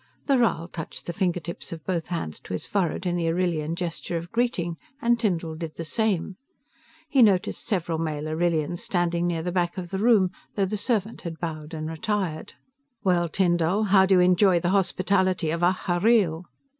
The Rhal touched the fingertips of both hands to his forehead in the Arrillian gesture of greeting, and Tyndall did the same. He noticed several male Arrillians standing near the back of the room, although the servant had bowed and retired. "Well, Tyn Dall, how do you enjoy the hospitality of Ahhreel?"